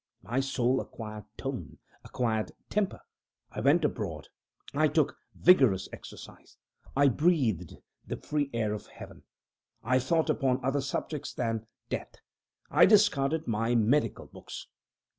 My soul acquired tone acquired temper. I went abroad. I took vigorous exercise. I breathed the free air of Heaven. I thought upon other subjects than Death. I discarded my medical books.